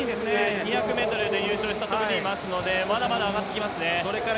２００メートルで優勝したトム・ディーンがいますので、まだまだ上がってきますね。